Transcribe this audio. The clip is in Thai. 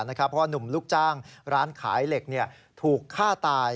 เพราะว่าหนุ่มลูกจ้างร้านขายเหล็กถูกฆ่าตาย